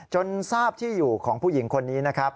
จนทราบที่อยู่ของผู้หญิงคนนี้นะครับ